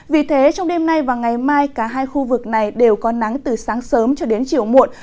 vì thế trong đêm nay và ngày mai cả hai khu vực này đều có nắng từ sáng sớm cho đến chiều muộn